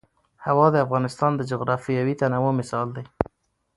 هوا د افغانستان د جغرافیوي تنوع مثال دی.